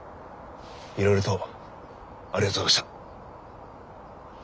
いろいろとありがとうございました。